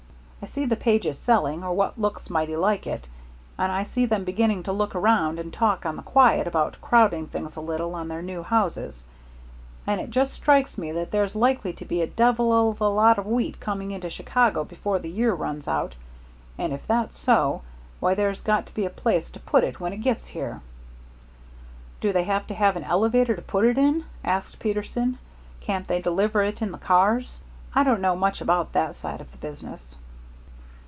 I see the Pages selling or what looks mighty like it and I see them beginning to look around and talk on the quiet about crowding things a little on their new houses, and it just strikes me that there's likely to be a devil of a lot of wheat coming into Chicago before the year runs out; and if that's so, why, there's got to be a place to put it when it gets here." "Do they have to have an elevator to put it in?" asked Peterson. "Can't they deliver it in the cars? I don't know much about that side of the business."